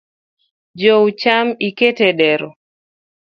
Jou cham iket e dero.